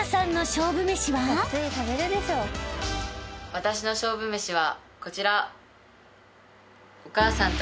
私の勝負めしはこちら。